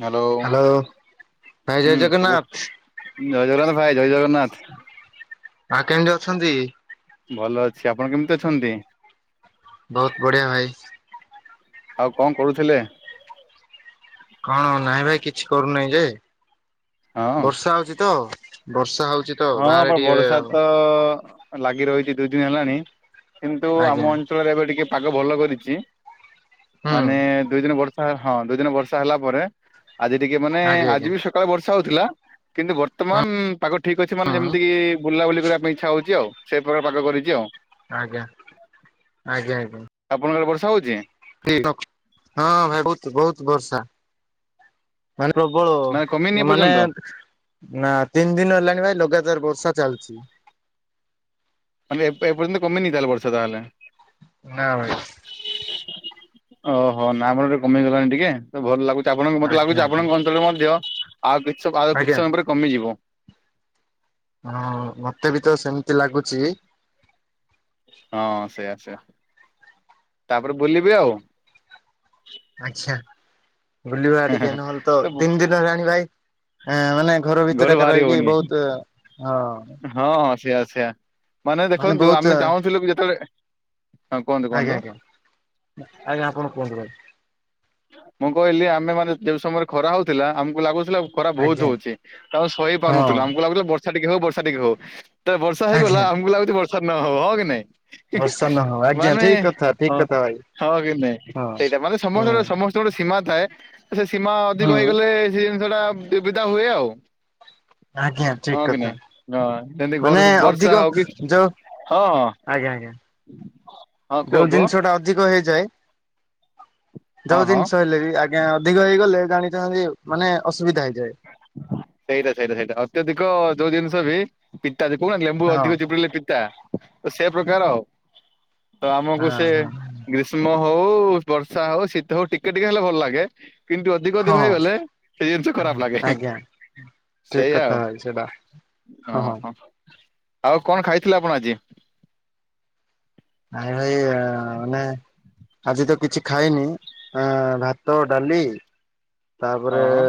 Hello ଭାଇ ଜୟ ହୁଁ ଶୁଭ ଜଗନ୍ନାଥ। ଜୟ ଜଗନ୍ନାଥ ଭାଇ ଜୟ ଜଗନ୍ନାଥ ମା କେମିତି ଅଛନ୍ତି ଭଲ ଅଛି ଆପଣ କେମିତି ଅଛନ୍ତି ବହୁତ ବଢ଼ିଆ ଭାଇ ଆଉ କଣ କରୁଥିଲେ କଣ ନାଇଁ ଭାଇ କିଛି କରୁନହିଁ ଯେ ହଁ ବର୍ଷା ହଉଛି ତ ବର୍ଷା ହଉଛି ତ ହଁ ବାହାରେ ବ ଟିକେ ବର୍ଷା ତ ଲାଗି ରହିଛି ଦୁଇ ଦିନ ହେଲାଣି କିନ୍ତୁ ଆଜ୍ଞା ଆମ ଅଞ୍ଚଳରେ ଏବେ ଟିକେ ପାଗ ଭଲ କରିଛି ହୁଁ ମାନେ ଦୁଇ ଦିନ ବର୍ଷା ହଁ ଦୁଇ ଦିନ ବର୍ଷା ହେଲା ପରେ ଆଜି ଟିକେ ମାନେ ଆଜ୍ଞା ଆଜ୍ଞା ଆଜି ବି ସକାଳେ ବର୍ଷା ହଉଥିଲା କିନ୍ତୁ ହୁଁ ବର୍ତ୍ତମାନ ପାଗ ଠିକ ଅଛି ମାନେ ହୁଁ ଯେମିତିକି ବୁଲାବୁଲି କରିବା ପାଇଁ ଇଚ୍ଛା ହଉଛି ଆଉ ସେ ପ୍ରକାର ପାକ କରିଛି ଆଉ ଆଜ୍ଞା ଆଜ୍ଞା ଆପଣଙ୍କର ବର୍ଷା ହଉଛି [inaudible] ହଁ ଭାଇ ବହୁତ ବହୁତ ବର୍ଷା ମାନେ ନା କମିନି ପ୍ରବଳ ମାନେ ଏପର୍ଯ୍ୟନ୍ତ ନା ତିନି ଦିନ ହେଲାଣି ଭାଇ ଲଗାତାର ବର୍ଷା ଚାଲିଛି ମାନେ ଏ-ଏପର୍ଯ୍ୟନ୍ତ କମେଇି ତାହେ ବର୍ଷ ତାହେଲେ ନା ଭାଇ ଓହୋ ନା ଆମର ଟିକେ କମି ଗଲାଣି ଟିକେ ଭଲ ଲାଗୁଛି ଆପଣଙ୍କୁ ମତେ ଆଜ୍ଞା ଲାଗୁଛି ଆଜ୍ଞା ଆପଣଙ୍କ ଅଞ୍ଚଳରେ ମଧ୍ୟ ଆଉ କି ଆଉ କିଛି ଆଜ୍ଞା ସମୟରେ କମିଯିବ ହଁ ମତେ ବି ତ ସେମିତି ଲାଗୁଛି ହଁ ସେଇଆା ସେଆ ତାପରେ ବୁଲିବେ ଆଉ ଆଚ୍ଛା ବୁଲିବା ଟିକେ ନହେଲେ ତ ତିନି ଦିନ ହେଲାଣି ଭାଇ ହେଁ ମାନେ ଘର ଭିତରେ ଘରୁ ଏକ ବାହାରି ରହିକି ହଉନି ବହୁତ ହଁ। ହଁ ହଁ ସେଆ ସେଆ ମାନେ ଦେଖନ୍ତୁ ଆମେ ଚାହୁଁଥିଲୁ ଯେତେବେଳେ ହଁ କୁହନ୍ତୁ ଆଜ୍ଞା କୁହନ୍ତୁ ଆଜ୍ଞା ଆଜ୍ଞା ଆପଣ କୁହନ୍ତୁ ଭାଇ। ମୁଁ କହିଲି ଆମେ ମାନେ ଯୋଉ ସମୟରେ ଖରା ହଉଥିଲା ଆମକୁ ଲାଗୁଥିଲା ଖରା ବହୁତ ଆଜ୍ଞା ହଉଛି ତ ଆମେ ଶୋଇ ହଁ ପାରୁନଥିଲୁ ଆମକୁ ଲାଗୁଥିଲା ବର୍ଷା ଟିକେ ହଉ ବର୍ଷା ଟିକେ ହଉ ତ ବର୍ଷା ହେଇଗଲା ଆଜ୍ଞା ଆମକୁ ଲାଗୁଛି ବର୍ଷା ନ ହଉ ହଁ କି ନାଇଁ। ହିଁ ହିଁ ବର୍ଷା ନ ହଉ ଆଜ୍ଞା ମାନେ ଠିକ କଥା ଠିକ ହଁ କଥା ଭାଇ ହଁ କିନାଇ ହଁ। ସେଇଟା ମାନେ ସମସ୍ତ ହୁଁ ଗୋଟେ ସମସ୍ତେ ଗୋଟେ ସୀମା ଥାଏ ସେ ସୀମା ଅଧିକ ହୁଁ ହେଇଗଲେ ସେ ଜିନିଷଟା ଦୁବିଧା ହୁଏ ଆଉ। ଆଜ୍ଞା ହଁ ଠିକ କି କଥା ନାଇଁ। ହଁ ଯେମିତି ଘର ମାନେ ବର୍ଷା ଅଧିକ ହଉ କି ଯୋଉ ହଁ। ଆଜ୍ଞା ଆଞା। ହଁ କୁହ ଯୋଉ କୁହ ଜିନିଷ ଟା ଅଧିକ ହେଇଯାଏ ହଁ ଯୋଉ ହଁ। ଜିନିଷ ହେଲେ ବି ଆ ଆଜ୍ଞା ଅଧିକ ହେଇଗଲେ ଜାଣିଥାନ୍ତି ମାନେ ଅସୁବିଧା ହେଇଯାଏ। ସେଇଟା ସେଇଟା ସେଇଟା ଅତ୍ୟଧିକ ଯୋଉ ଜିନିଷ ବି ପିତା ଯେ କହୁନା ଲେମ୍ବୁ ହଁ ଅଧିକ ଚିପୁଡିଲେ ପିତା ତ ସେ ପ୍ରକାର ଆଉ। ତ ହଁ ଆମକୁ ସେ ଗ୍ରୀଷ୍ମ ହଉ ବର୍ଷା ହଉ ଶୀତ ହଉ ଟିକେ ଟିକେ ହେଲେ ଭଲ ଲାଗେ। କିନ୍ତୁ ଅଧିକ ହଁ ଅଧିକ ହଁ ହେଇଗଲେ ସେ ଜିନିଷ ଖରାପ। ଲାଗେ ଆଜ୍ଞା ଠିକ ସେଇଆ ଆଉ କଥା ଭାଇ ସେଟା ହ ହଁ। ଆଉ କଣ ଖାଇଥିଲେ ଆପଣ ଆଜି। ଆରେ ଭାଇ ମାନେ। ଆଜି ତ କିଛି ଖାଇନି ଅ ଭାତ ଡାଲି ତାପରେ ହଁ।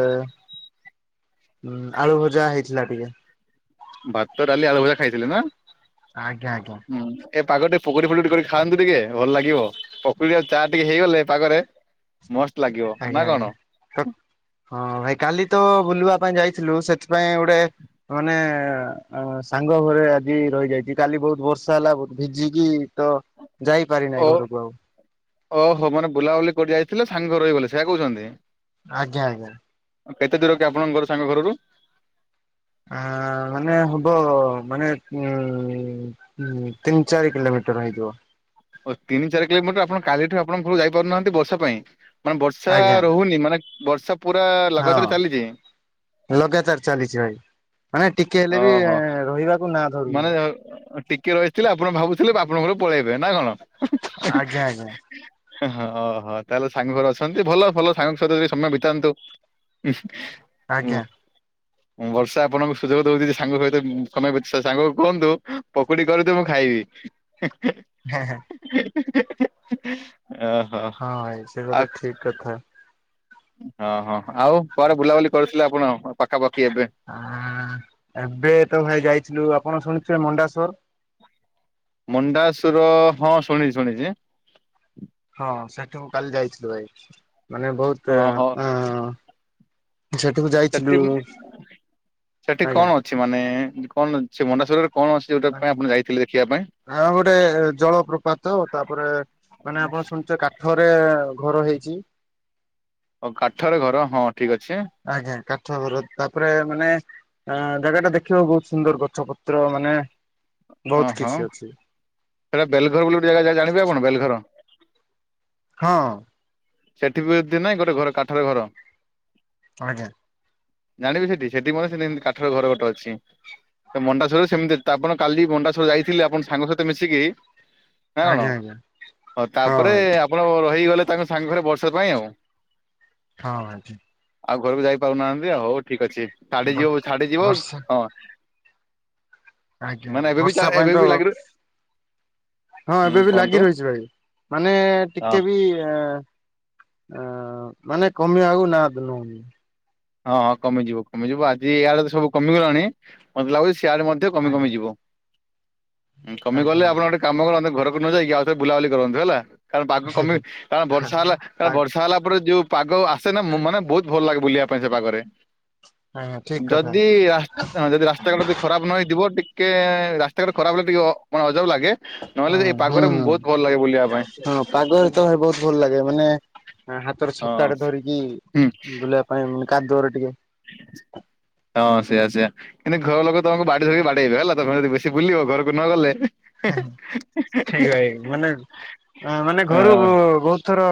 ଉ ଆଳୁ ଭଜା ହେଇଥିଲା ଟିକେ। ଭାତ ଡାଲି ଆଳୁ ଭଜା ଖାଇଥିଲେ ନା। ଆଜ୍ଞା ଆଜ୍ଞା। ହୁଁ ଏ ପାଗ ଟେ ପକୁଡି ଫକୁଡି କରି ଖାଆନ୍ତୁ ଟିକେ ଭଲ ଲାଗିବ ପକୁଡି ଚା ଟିକେ ହେଇଗଲେ ପାଗରେ [unintelligible] ମସ୍ତ ଲାଗିବ। ଆଜ୍ଞା ଆଜ୍ଞା। ତ ହୁଁ। ହଁ ଭାଇ କାଲି ତ ବୁଲିବା ପାଇଁ ଯାଇଥିଲୁ ସେଥିପାଇଁ ଗୋଟେ ମାନେ ସାଙ୍ଗ ଘରେ ଆଜି ରହିଯାଇଛି କାଲି ବହୁତ ବର୍ଷା ହେଲା ବହୁତ ଭିଜିକି ତ ଯାଇପାରି ଓ ନାହିଁ ଘରକୁ ଆଉ। ଓହୋ ମାନେ ବୁଲାବୁଲି କରି ଯାଇଥିଲେ ସାଙ୍ଗ ଘରେ ରହିଗଲେ ସେୟା କହୁଛନ୍ତି। ଆଜ୍ଞା ଆଜ୍ଞା। କେତେ ଦୁର କି ଆପଣଙ୍କର ସାଙ୍ଗ ଘର ରୁ। ଆ ମାନେ ହବ ମାନେ ଉ ହୁଁ ତିନି ଚାରି କିଲୋମିଟର ହେଇଯିବ। ଓ ତିନି ଚାରି କିଲୋମିଟର ଆପଣ କାଲିଠୁ ଆପଣ ଯାଇପାରୁନାହାନ୍ତି ବର୍ଷା ପାଇଁ ମାନେ ବର୍ଷା ଆଜ୍ଞା ରହୁନି ମାନେ ବର୍ଷା ପୁରା ହଁ ଲଗାତର ଚାଲିଛି। ଲଗାତାର ଚାଲିଛି ଭାଇ ମାନେ ଟିକେ ହେଲେ ବି ଓହୋ। ରହିବାକୁ ନା ଧରୁନି। ଟିକିଏ ରହିଥିଲେ ଆପଣ ଭାବୁଥିଲେ ଆପଣଙ୍କ ଘର କୁ ପଳେଇବେ ନା କଣ। ଆଜ୍ଞା ଆଜ୍ଞା ହଁ ହଁ ତାହେଲେ ସାଙ୍ଗ ଘର ଅଛନ୍ତି ଭଲ ଭଲ ସାଙ୍ଗ ସହିତ ଯାଇକି ସମୟ ବିତାନ୍ତୁ। ଇ ହୁଁ। ଆଜ୍ଞା। ବର୍ଷା ଆପଣଙ୍କୁ ସୁଯୋଗ ଦଉଛି ସାଙ୍ଗ ସହିତ ସମୟ ଵି ସାଙ୍ଗକୁ କୁହନ୍ତୁ ପକୁଡି କରିଦେ ମୁଁ ଖାଇବି। ହେଁ ହେଁ। ହେଁ ହଁ ହେଁ ହେଁ ହେଁ ଏହେଁ ଓହୋ। ହଁ ଭାଇ ସେ କଥା ଆଉ ଠିକ କଥା। ହଁ ହଁ ଆଉ ପରେ ବୁଲାବୁଲି କରୁଥିଲେ ଆପଣ ପାଖାପାଖି ଏବେ ଆ ଏବେ ତ ଭାଇ ଯାଇଥିଲୁ ଆପଣ ଶୁଣିୁଥିବେ ମଣ୍ଡାସର ମଣ୍ଡାସୁର ହଁ ଶୁଣିଛି ଶୁଣିଛି ହଁ ସେଠି ମୁ କାଲି ଯାଇଥିଲୁ ଭାଇ ମାନେ ବହୁତ ଓହୋ ଅ ସେଠିକୁ ଯାଇଥିଲୁ ସେଠି ଆଜ୍ଞା। ସେ ମାନ କଣ ସେ ଭଣ୍ଡେଶ୍ୱଵରରେ କଣ ଅଛି ସେ ଯୋଉା ପାଇଁ ଆପଣ ଯାଇଥିଲେ ଦେଖିବା ପାଇଁ? ହଁ ଗୋଟେ ଜଳପ୍ରପାତ ତାପରେ ମାନେ ଆପଣ ଶୁଣିଛ ରେ ଘର ହେଇଛି ଓ କାଠରେ ଘର ହଁ ଠିକ ଅଛି ଆଜ୍ଞା କାଠ ବର ତାପରେ ମାନେ ଆ ଜାଗା ଟା ଦେଖିବା ବହୁତ ସୁନ୍ଦର ଗଛ ପତ୍ର ମାନେ ବହୁତ ଓହୋ କିଛି ଅଛି ସେଟା ବେଲର ବୋଲି ଗୋଟୋଗାଣେ ଆଣ ବେଲଘର ହଁ ସେଠି ବି ଯଦି ନାଇଁ ଗୋଟେ ଘର କାଠରେ ଘର ଆଜ୍ଞା ଜାଣିବି ସେଠି ସେଠି ମେ ସେତି କାଠର ଘର ଗୋେ ଅଛି ମଣ୍ଡାସ୍ୱରରେ ସେମିତି ଆପଣ କାଲି ମଣ୍ଡା୍ଵର ଯାଇଥିଲେ ଆପଣ ସାଙ୍ଗ ସହିତ ମିଶିକି ନା କଣ ଆଜ୍ଞା ଆଜ୍ଞା ହଉ ହଁ ତାପରେ ଭାଇ ଆପଣ ରହିଗଲେ ତାଙ୍କ ସାଙ୍ଗ ଘରେ ବର୍ଷା ପାଇଁ ଆଉ ହଁ ଭ ଆଉ ଘରକୁ ଯାଇ ପାରୁନାହାନ୍ତି ଆଉ ହଉ ଠିକ ଅଛି ଛାଡି ଯିବ ଛାଡି ଯିବ ବର୍ଷା ଆ ହଁ ଆଜ୍ଞା ମାନେ ଆଜ୍ଞା ଏବେ ବି ଚା ବର୍ଷା ଏବେ ପାଇଁ ତ ବି ଲାଗି ହୁଁ ହଁ ଏବେ ବି କୁହନ୍ତୁ ଲାଗି ରହିଛି ଭାଇ ମାନେ ହଁ ଟିକେ ବି ଆ ମାନେ କମିବାକୁ ନା ନୁହନ ହଁ ହଁ କମିଯିବ କମିଯିବ ଆଜି ଇଆଡେ ତ ସବୁ କମିଗଲାଣି ମତେ ଲାଗୁଛି ସିଆଡେ କମି କମି ଆଜ୍ଞା ଯିବ କମି ଆଜ୍ଞା ଗଲେ ଆପଣ ଗୋଟେ କାମ କଲେ ଘରକୁ ନ ଯାଇକି ଆ ବୁଲାବୁଲି କରନ୍ତୁ ହେଲା କାରଣ ପାଗ କମ ଆଜ୍ଞା କାରଣ ବର୍ଷା ହେଲାାର ବର୍ଷା ହେଲା ପରେ ଯଉ ପାଗ ସେନା ମାନେ ବହୁତ ଭଲ ଲାଗେ ବୁଲିବା ପାଇଁ ସେ ପାଖରେ ଆଜ୍ଞା ଠିକ କଥା। ଯଦି ଯଦି ରାସ୍ତା କା ଯଦି ଖରାପ ନ ହେଇଥିବ ଟିକେ ରାସ୍ତା କାଟ ଖରାପ ହେଲେ ଟିକେ ମାନେ ଅଜବ ଲାଗେ ହଁ ନହେଲେ ଏଇ ହୁଁ ପାଗରେ ବହୁତ ଭଲ ଲାଗେ ବୁଲିବା ପାଇଁ ଭ ବହୁତ ଭଲ ଲାଗେ ମାନେ ହାତର ହଁ ଛତା ଆଡେ ଧରିକି ହୁଁ ବୁଲେଇିବା ପାଇଁ ମାନେ କାଦୁରେ ଟିକେ ହଁ ସେଇଆା ସେଆ କିନ୍ତୁ ଘର ଲୋକ ତମକୁ ବାଡି ଧରିକି ବାଡେଇବେ ହେଲା ତମେ ଯଦି ବେଶ ବୁଲିବ ଘରକୁ ନ ଗଲେ ଠିକ ଭାଇ ମାନେ ମାନେ ଘରୁ ହଁ ବହୁତ ର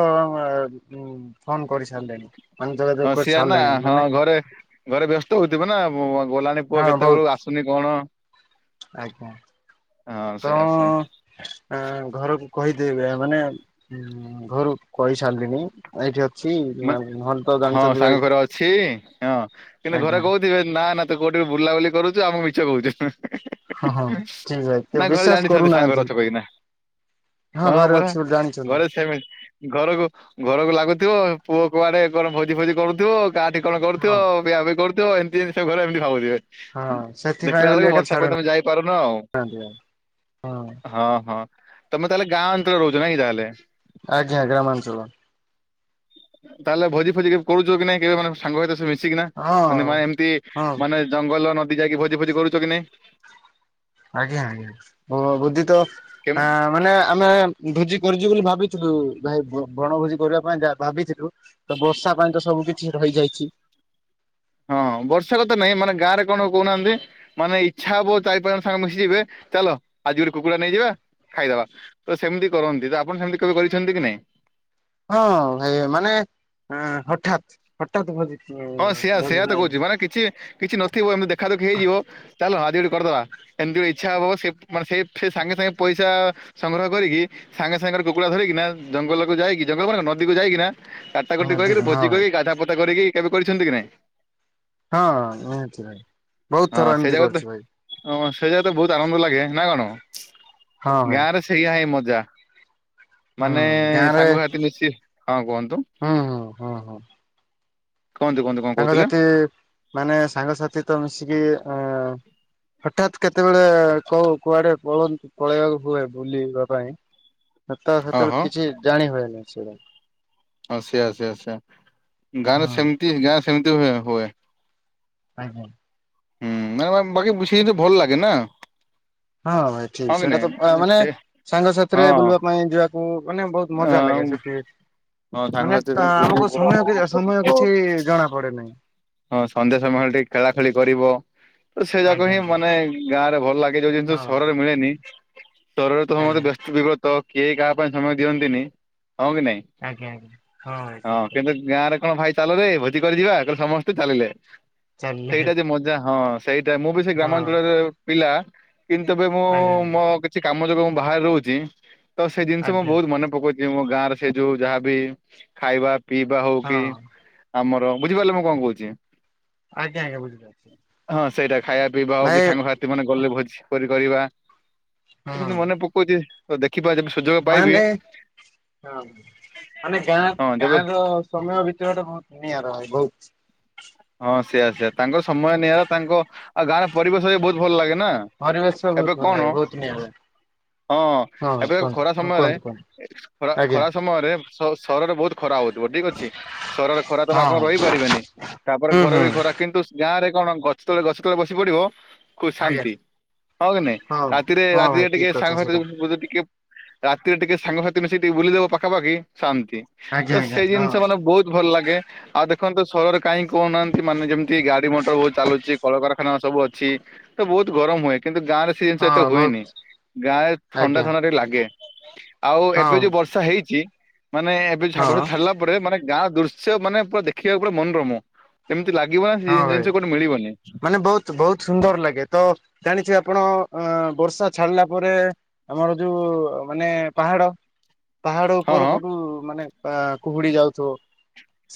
ଫୋନ କରିସାରିଲେଣି ମାନେ ଯୋଗାଯୋଗ ହଁ କରି ସିଆ ନା ସାରିଲେଣି ହଁ ମାନେ ଘରେ ଘରେ ବ୍ୟସ୍ତ ହଉଥିବ ନା ଗଲାଣି ପୁଅ ହଁ ବହୁତ କେତେବେଳ ଆସୁନି କଣ ଆଜ୍ଞା ହଁ ସେଇୟା ସେଆ ଆ ଘରକୁ କହିଦେବେ ମାନେ ଘରକୁ କହିସାରିଲଣିି ଏଇଠି ଅଛି ନହେଲେ ତ ହଁ ଜାଣିଛନ୍ତି ସାଙ୍ଗ ଭାଇ ଘରେ ଅଛି ହଁ କିନ୍ତୁ ଘରେ ଆଜ୍ଞା କୋହୁ ନା ନା ତୁ କୋଉଠି ବି ବୁଲାବୁଲି କରୁଛୁ ଆମ ମିଛ କହୁଛୁ ହଁ ହଁ ଠିକ ଭାଇ ତ ନା ଘରେ ବିଶ୍ଵାସ ଜାଣିଛନ୍ତି ସାଙ୍ଗ କରୁନାହାନ୍ତି ରଛ କହିନା ହଁ ଘରେ ମରା ଅଛି ବୋଲି ଜାଣିଛନ୍ତି ଘର ସେମ ଘରକୁ ଘରକୁ ଲାଗୁଥିବ ପୁଅ କୁଆଡେର ଭୋଜି ଫୋଜି କରୁଥିବ କାହାଠି କଣ କରୁଥିବ ହଁ। ବିିଆ ବି କରୁଥିବ ଏମିତି ଜିନିଷ ଘରେ ଏମିତି ଭାବୁଥିବେ ହଁ ସେଥିପାଇଁ ଦେଖିଲା ବୋଲି ବେଳକୁ ଏକା ବର୍ଷା ପାଇଁ ତମେ ଛାଡୁନାହାନ୍ତି ଯାଇପାରୁନ ଆଉ ଆଉ ହଁ ହଁ ତମେ ତାହେଲେ ଗାଁ ଅଞ୍ଚଳରେ ରହୁଛ ନା କି ତାହେଲେ ଆଜ୍ଞା ଗ୍ରାମାଞ୍ଚଳ ତାହେଲେ ଭୋଜି ଫୋଜି କେବେ କରୁଛ କି ନାଇ କେବେ ମାନେ ସାଙ୍ଗ ସହିତ ସେ ମିଶିକିନା ମାନେ ହଁ। ମା ଏମିତି ହଁ ମାନେ ଜଙ୍ଗଲ ନଦୀ ଯାଇକି ଭୋଜି ଫୋଜି କରୁଛ କି ନାଇଁ ଆଜ୍ଞା ଆଜ୍ଞା ବୁଧି ତ କେମ ଆ ମାନେ ଆମେ ଭୋଜି କରିଛୁ ବୋଲି ଭାବିଥିଲୁ ଭାଇ ବଣଭୋଜି କରିବା ପାଇଁ ଯା ଭାବିଥିଲୁ- ତ ବର୍ଷା ପାଇଁ ତ ସବୁ କିଛି ରହିଯାଇଛି- ହଁ ବର୍ଷା କଥା ନାଇଁ ମାନେ ଗାଁରେ କଣ କହୁନାହାନ୍ତି ମାନେ ଇଚ୍ଛା ହବ ଚାରି ପାଞ୍ଚ ଜଣ ସାଙ୍ଗେ ମିଶିଯିବେ ଚାଲ ଆଜି ଗୋଟେ କୁକୁଡ଼ା ନେଇଯିବା ଖାଇଦବା ତ ସେମିତି କରନ୍ତି ତ ଆପଣ ସେମିତି କେବେ କରିଛନ୍ତି କି ନାଇଁ? ହଁ ଭାଇ ମାନେ ହଠାତ୍ ହଠାତ୍ ଭଜିତିଏ ହଁ ସେଆ ସେୟା ତ କହୁଛି ମାନେ କିଛି କିଛି ନଥିବ ଏମିତି ଦେଖାଦୁଖି ହେଇଯିବ ଚାଲ ଆଜି ଗୋଟେ କରିଦବା ଏମିତି ଗୋ ଇଚ୍ଛା ହବ ସେ ମାନେ ସେ ଫେ ସାଙ୍ଗେ ସାଙ୍ଗେ ପଇସା ସଂଗ୍ରହ କରିକି ସାଙ୍ଗେ ସାଙ୍ଗରେ କୁକୁଡ଼ା ଧରିକିନା ଜଙ୍ଗଲକୁ ଯାଇକି ଜଙ୍ଗଲ ମାନେ କଣ ନଦୀକୁ ଯାଇକିନା କାଟା ହଁ କଟି ଅଧିକ କରକରି ହଁ ଭୋଜି ଭାଇ କହିକି ଗାଧା ପାଧ କରିକି କେବେ କରିଛନ୍ତି କି ନାଇଁ ହଁ ନିହାତି ଭାଇ ବହୁତ ହଁ ଥର ସେ ଏମିତି ଜାଗା ତ କରିଛି ଭାଇ ହଁ ସେ ଯା ତ ବହୁତ ଆନନ୍ଦ ଲାଗେ ନା କଣ ହଁ ଭାଇ ଗାଁ ରେ ସେଇଆ ହିଁ ମଜା ମାନେ ହୁଁ ସାଙ୍ଗସାଥୀ ମିଶି ହଁ କୁହନ୍ତୁ - ହଁ ହଁ ହଁ ହଁ କୁହନ୍ତୁ କୁହନ୍ତୁ କଣ କହୁଥିଲେ? ସାଙ୍ଗସାଥି ମାନେ ସାଙ୍ଗସାଥି ତ ମିଶିକି ଏ ହଠାତ୍ କେତେବେଳେ କହୁ କୁଆଡେ ପଳନ୍ତୁ ପଳେଇବାକୁ ହୁଏ ବୁଲିବା ପାଇଁ ସେ ତ ହଁ ସେଥିେବେଳେ ହଁ କିଛି ଜାଣି ହୁଏନି ସେଇଟା ହଁ ସେଇୟା ସେଇୟା ସେଇୟା ଗାଁରେ ହଁ ସେମିତି ଗାଁ ସେମିତି ହୁ ହୁଏ ଆଜ୍ଞା ହୁଁ ମ ବାକି ବୁଝେଇ କିନ୍ତୁ ଭଲ ଲାଗେ ନା ହଁ ଭାଇ ଠିକ ହଁ କି ସେଇଟା ନାଇଁ ତ ମାନେ ସେ ସାଙ୍ଗସାଥିରେ ହଁ ବୁଲିବା ପାଇଁ ଯିବାକୁ ମାନେ ବହୁତ ମଜା ହଁ ଲାଗେ ସେ ମାନେ ସାଙ୍ଗସାଥି ସହିତ ବୁଲିବ ଆମକୁ ସମୟ ମଜା ସମୟ କରିବ କିଛି ଜଣା ପଡେ ନାହିଁ ହଁ ସନ୍ଧ୍ୟା ସମୟ ହେଳେ ଟିକେ ଖେଳା ଖେଳି କରିବ ତ ସେ ଯାକ ଆଜ୍ଞା ହିଁ ଆଜ୍ଞା ମାନେ ଗାଁ ରେ ଭଲ ଲାଗେ ଯୋଉ ଜିନିଷ ହଁ ସହରରେ ମିଳେନି ସହରରେ ତ ଆଜ୍ଞା ସମସ୍ତେ ବ୍ୟସ୍ତ ବିବ୍ରତ କିଏ କାହା ପାଇଁ ସମୟ ଦିଅନ୍ତିନି ହଁ କି ନାଇଁ ଆଜ୍ଞା ଆଜ୍ଞା ହଁ ଭାଇ ଠିକ କଥା ଗାଁରେ କଣ ଭାଇ ଚାଲ ରେ ଭୋଜି କରି ଯିବା [unintelligible] ସମସ୍ତେ ଚାଲିଲେ ଚାଲିଲେ ସେଇଟା ଯେ ମଜା ହଁ ସେଇଟା ମୁଁ ବି ସେ ହଁ ଗ୍ରାମାଞ୍ଚଳରେ ପିଲା କିନ୍ତୁ ତବେ ମୁଁ ଆଜ୍ଞା ଆଜ୍ଞା ମୋ କିଛି କାମ ଯୋଗୁଁ ମୁଁ ବାହାରେ ରହୁଛି ତ ସେ ଜିନିଷ ମୁଁ ଆଜ୍ଞା ବହୁତ ମନେ ପକଉଛି ମୋ ଗାଁରେ ସେ ଯୋଉ ଯାହାବି ଖାଇବା ପିଇବା ହଉ କି ହଁ ଆମର ବୁଝିପାରିଲେ ମୁଁ କଣ କହୁଚି ଆଜ୍ଞା ଆଜ୍ଞା ବୁଝିପାରୁଛି। ହଁ ସେଇଟା ଖାଇବା ପିଇବା ହଉ କି ଭାଇ ସାଙ୍ଗସାଥି ମାନେ ଗଲେ ଭୋଜି କିପରି କରିବା ସେମିତି ମନେ ପକଉଛି ଦେଖିବା ଯେ ମାନେ ହଁ ମାନେ ଗାଁ ହଁ ଯେବେ ଗାଁର ସମୟ ଭିତର ଟା ବହୁତ ନିଆ ରହେ ବହୁତ - ହଁ ସେଇୟା ସେଇୟା ତାଙ୍କର ସମୟ ନିଆରା ତାଙ୍କ ଆଉ ଗାଁରେ ପରିବେଶ ବି ବହୁତ ଭଲ ଲାଗେ ନା ପରିବେଶ ବହୁତ ଏବେ ଭଲ ଲାଗେ କଣ ବହୁତ ନିଆରା ହଁ ହଁ ଭାଇ ଏବେ କୁହନ୍ତୁ ଖରା ହଁ ସମୟରେ କୁହନ୍ତୁ କୁହନ୍ତୁ ଖ ଆଜ୍ଞା ଖରା ସମୟରେ ସହରରେ ବହୁତ ଖରା ହଉଥିବ ଠିକ ଅଛି ସହରରେ ଖରା ତମ ହଁ ହଁ ଆପଣ ରହିପାରିବେନି [unintelligible] ହୁଁ ଘରେ ହୁଁ ବି ଖରା କିନ୍ତୁ ଗାଁ ରେ କଣ ଗଛ ତଳେ ଗଛ ତଳେ ବସି ପଡିବ ଖୁବ ଆଜ୍ଞା ଶାନ୍ତି ହଁ କି ନାଇଁ ହଁ ରାତିରେ ହଁ ରାତିରେ ଭାଇ ଟିକେ ଠିକ କଥା ସାଙ୍ଗସାଥୀ ସେଇଟା। [unintelligible] ଟିକେ ରାତିରେ ଟିକେ ସାଙ୍ଗସାଥି ମିଶିକି ଟିକେ ବୁଲିଦବ ପାଖାପାଖି ଶାନ୍ତି ଆଜ୍ଞା ତ ଆଜ୍ଞା ସେଇ ହଁ ଜିନିଷ ମାନେ ବହୁତ ଭଲ ଲାଗେ ଆଉ ଦେଖନ୍ତୁ ସହରରେ କାହିଁ କହୁନାହାନ୍ତି ମାନେ ଯେମିତି ଗାଡି ମଟର ବହୁତ ଚାଲୁଛି କଳକାରଖାନା ସବୁ ଅଛି ତ ବହୁତ ଗରମ ହୁଏ କିନ୍ତୁ ଗାଁରେ ସେଇ ଜିନିଷ ଏତେ ହଁ ବହୁତ ହୁଏନି ଗାଁରେ ଥଣ୍ଡା ଆଜ୍ଞା ଥଣ୍ଡା ଟିକେ ଲାଗେ ଆଉ ଏବେ ହଁ ଯୋଉ ବର୍ଷା ହେଇଛି ମାନେ ଏବେ ହଁ ବର୍ଷ ରିଲା। ପରେ ମାନେ ଗାଁ ଦୃଶ୍ୟ ମାନେ ପୁରା ଦେଖିବାକୁ ମାନେ ମନୋରମ। ଏମିତି ଲାଗିବ ନା ସେ ହଁ ଭାଇ ଜିନିଷ କୋଉଠି ମିଳିବନି। ମାନେ ବହୁତ ବହୁତ ସୁନ୍ଦର ଲାଗେ ତ ଜାଣିଚି ଆପଣ ଅ ବର୍ଷା ଛାଡିଲା ପରେ- ଆମର ଯୋଉ ମାନେ ପାହାଡ। ପାହାଡ ହଁ ଉପର ହଁ କୋଟୁ ମାନେ କୁହୁଡି ଯାଉଥିବ।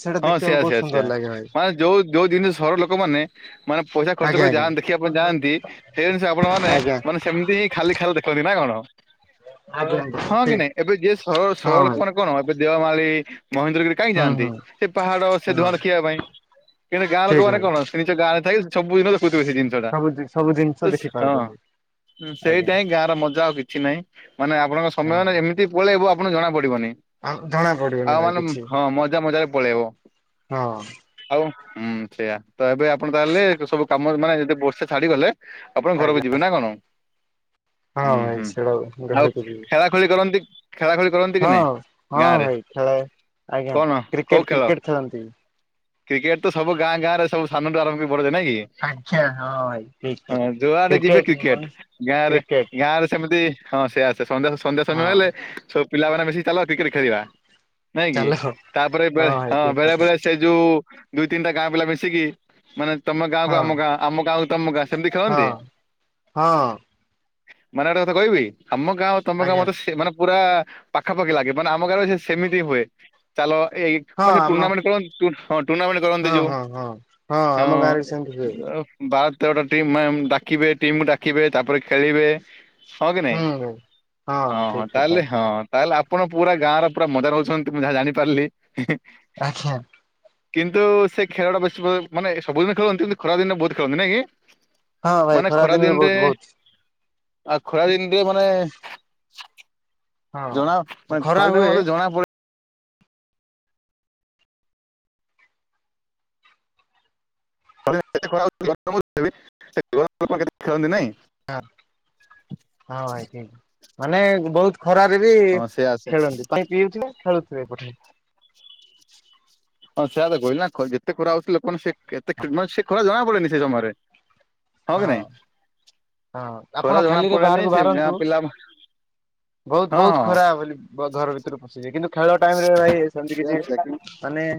ସେଇଟା ଦେଖିବାକୁ ବହୁତ ସୁନ୍ଦର ଲାଗେ ଭାଇ। ଯଉ ଯୋଉ ଜିନିଷ ସର ଲୋକମାନେ- ମାନେ ପଇସା ଖର୍ଚ୍ଚ ଆଜ୍ଞା କରି ଆଜ୍ଞା ଯାହା ଦେଖିବା ଆପଣ ଯାଆନ୍ତି ସେଇ ଜିନିଷ ଆପଣ ମାନ ଆଜ୍ଞା ମାନେ ସେମିତି ହିଁ ଖାଲି ଖାଲି ଦେଖ। କ ନା କଣ ଆଜ୍ଞା ଆଜ୍ଞା ହଁ କି ଠିକ ନାଇଁ ଏବେ ଯିଏ ସହ ହଁ ସହର ଲୋକ ଭାଇ ମ- କଣ ଏବେ ଦେଓମାଳି ମହେନ୍ଦ୍ରଗିରି କାହିଁ ହୁଁ ଯାଆନ୍ତି ହୁଁ ସେ ପାହାଡ ସେ ଧୂଆଁ ହଁ ଦେଖିବା ପାଇଁ। କିନ୍ତୁ ଗାଁ ଠିକ ଲୋକମାନେ ଭାଇ କଣ ସେ ନିଜ ଗାଁ ରେ ଥାଇ ସବୁଦିନ ଦେଖୁଥିବେ ସେ ଜିନିଟା- ସବୁ ସବୁ ଜିନିଷ ଦେଖି ପାରୁଛନ୍ତି ହଁ ଆଜ୍ଞା ସେଇଟା ହ ଗାଁ ର ମଜା ଆଉ କିଛି ନାହିଁ। ମାନେ ଆପଣଙ୍କ ହଁ ସମୟନା ଏମିତି ପଳେଇବ ଆପଣଙ୍କୁ ଜଣା ପଡିବନି। ଜଣା ପଡିବନି ଆଉ ଭାଇ ମାନ କିଛି ହଁ ମଜା ମଜାରେ ପଳେଇବ। ହଁ ଆଉ ହୁଁ ସେଇଆ ତ ଏବେ ଆପଣ ତାହେଲେ ସବୁ କାମ ମାନେ ଯଦି ବର୍ଷେ ଛାଡିଗଲେ- ଆପଣ ଘରକୁ ଆଜ୍ଞା ଯିବେ ନା କଣ। ହଁ ହୁଁ ଭାଇ ହୁଁ ସେଟା ଆଉ ଘରକୁ ଯିବି ଖେଳା ଖେଳି କରନ୍ତି ଖେଳା ଖେଳି କରନ୍ତି କି ହଁ ନାଇଁ। ହଁ ଗାଁରେ? ଭାଇ ଖେଳେ ଆଜ୍ଞା। କଣ କ୍ରି କୋଉ ଖେଳ କ୍ରିକେଟ ତ ସବୁ ଗାଁ ଗାଁ ରେ ସବୁ ସାନଠୁ ଆରମ୍ଭ ବଢୁଏ ନାଇ କି ଆଜ୍ଞା ହଁ ଭାଇ ଠିକ ହଁ କଥା ଯୁଆଡେ ଯିବେ କ୍ରିକେଟ ମାନେ ଗାଁରେ କ୍ରିକେଟ ଗାଁ ରେ ସେମିତି ହଁ ସେ ଆସେ ସନ୍ଧ୍ୟା ସନ୍ଧ୍ୟା ସମୟ ହଁ। ହେଲେ ସବୁ ପିଲାମାନେ ମିଶି ଚାଲ କ୍ରିକେଟ ଖେଳିବା। ଚାଲ ହ- ଳେ ହଁ ବେଳେ ବେଳେ ସେ- ଯୋଉ ଦୁଇ ତିନିଟା ଗାଁ ପିଲା ମିଶିକି ମାନେ ତମ ଗାଁ କୁ ହଁ ଆମ ଗାଁ ଆମ ଗାଁକୁ ତମ ଗାଁ- ସେମିତି ହଁ ଖେଳନ୍ତି ହଁ ମାନେ ଗୋଟେ କଥା କହିବି ଆମ ଗାଁ- ତମ କ ଆଜ୍ଞା ମତେ ସେ ମାନେ ପୁରା ପାଖାପାଖି ଲାଗେ ମାନେ ଆମ କାରେ ସେ ସେମିତି ହୁଏ ଚାଲ ଏଇ- ହଁ ମ ସେ ଆମ ଟୁର୍ଣ୍ଣାମେଣ୍ଟ କର ହଁ ଟୁର୍ଣ୍ଣାମେଣ୍ଟ କରନ୍ତି ହଁ ଯୋଉ ହଁ ହଁ ହଁ ଆମ ଗାଁରେ ବି ସେମିତି ହୁଏ ହଁ। ବାର ତେରଟା ଟିମ୍ ଡାକିବେ ଟିମ୍ ଡାକିବେ ତାପରେ ଖେଳିବେ। ହଁ କି ନାଇଁ ହୁଁ ଭାଇ। ହଁ ହଁ ଠିକ କଥା ତାହେଲେ ହଁ- ତାହେଲେ ଆପଣ ପୁରା ଗାଁ ର ପୁରା ମଜା ରହୁଛନ୍ତି ମୁ ଯାହା ଜାଣିପାରିଲି। ଆଜ୍ଞା। କିନ୍ତୁ ସେ ଖେଳଟା ବେଶୀ ମାନେ ସବୁଦିନ ଖେଳନ୍ତି କିନ୍ତୁ ଖରା ଦିନେ ବହୁତ ଖେଳନ୍ତି ନାଇ କି? ହଁ ଭାଇ ଖରା ଦିନରେ ବହୁତ ବହୁତ। ଆଉ ଖରା ଦିନରେ ମାନେ- ଜଣା ହଁ। ମାନେ ଖ ଖରା ହୁଏ ମତେ ଜଣା ପଡିବ [inaudible] ହଁ ହଁ ଏ [unintelligible] ମାନେ ବହୁତ ଖରାରେ ବି ହଁ ସେୟା ସେ ଖେଳନ୍ତି ପାଣି ପିଉଥିବେ ଖେଳୁଥିବେ ପୁଣି ହଁ ସେୟଆ ତ କହିଲ ନା ଯେତେ ଖରା ହୋଉଛି ଲୋକ ସେ ଏତେ ମାନେ ସେ ଖରା ଜଣା ପଡେନି ସେ ସମୟରେ ହଁ କି ନାଇଁ ହଁ ଆପଣ ଖରା ଜଣା ଖାଲିରେ ପଡେନି ବାହାରକୁ ସେ ବାହାରନ୍ତୁ ଗାଁ ପିଲା ବହୁତ ହଁ ବହୁତ ଖରା ବୋଲି ଘର ଭିତରେ ପଶିଲେ କିନ୍ତୁ ଖେଳ ଟାଇମ ରେ ଭାଇ ସେମତି କିଛି ହଁ ମାନେ